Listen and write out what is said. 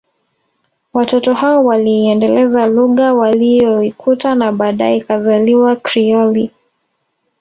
Watoto hao waliiendeleza lugha waliyoikuta na baadaye ikazaliwa Krioli